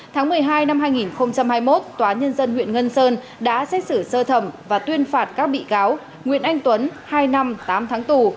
tháng một mươi hai năm hai nghìn hai mươi một tòa nhân dân huyện ngân sơn đã xét xử sơ thẩm và tuyên phạt các bị cáo nguyễn anh tuấn hai năm tám tháng tù